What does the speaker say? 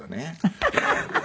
ハハハハ！